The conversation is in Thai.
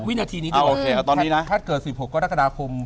แพทย์เกิด๑๖ก็นักฎาคม